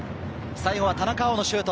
最後は田中碧のシュート。